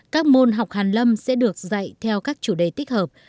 các môn học hàn lâm sẽ được dạy theo các chủ đề tích hợp